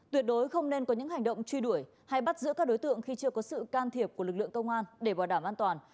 tuyệt đối không nên có những hành động truy đuổi hay bắt giữ các đối tượng khi chưa có sự can thiệp của lực lượng công an để bảo đảm an toàn